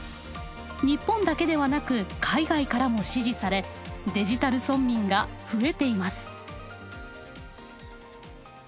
日本だけではなく海外からも支持されデジタル村民が増えています。